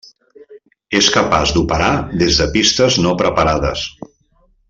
És capaç d'operar des de pistes no preparades.